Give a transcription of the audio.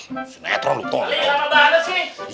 di sana banget sih